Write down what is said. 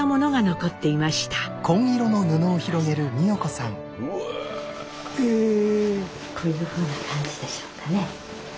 こういうふうな感じでしょうかね。